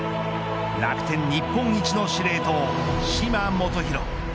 楽天日本一の司令塔嶋基宏。